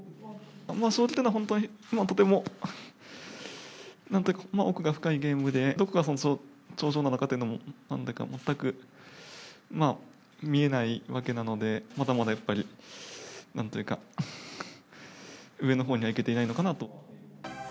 将棋というのは、とても奥が深いゲームで、どこがその頂上なのかというのも全く見えないわけなので、まだまだやっぱり、なんというか、上のほうにはいけていないのかなと。